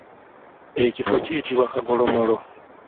Ekifo kiyitibwa kagolomolo.